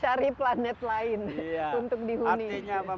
cari planet lain untuk dihuni